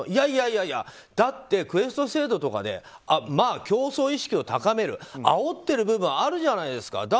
いやいやだって、クエスト制度とかで競争意識を高めるあおってる部分はあるじゃないですか。